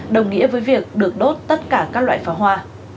đồng nghĩa với việc được đốt tất cả các loại pháo hoa